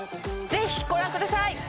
ぜひご覧ください！